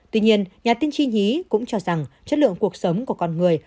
tuy nhiên nhà tiên tri nhí cũng cho rằng chất lượng cuộc sống của con người